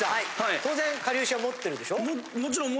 当然かりゆしは持ってるでしょ？